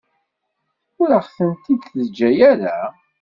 Ur aɣ-tent-id-teǧǧa ara.